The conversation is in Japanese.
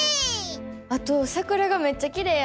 あとさくらがめっちゃきれいやねん。